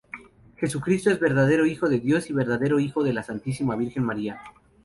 Jesucristo es verdadero Hijo de Dios y verdadero Hijo de la Santísima Virgen María.